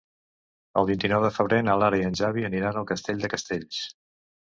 El vint-i-nou de febrer na Lara i en Xavi aniran a Castell de Castells.